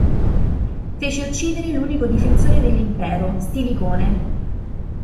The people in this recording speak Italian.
Fece uccidere l'unico difensore dell'impero, Stilicone.